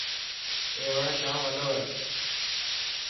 اي وڻ ڄام وڏو هي.